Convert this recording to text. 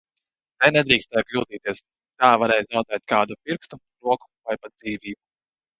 Te nedrīkstēja kļūdīties, tā varēja zaudēt kādu pirkstu, roku vai pat dzīvību.